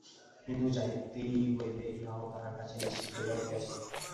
কিন্তু যাইতেই হইবে ইহাও তাহার কাছে নিশ্চিত হইয়া উঠিয়াছিল।